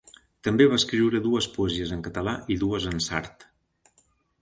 També va escriure dues poesies en català i dues en sard.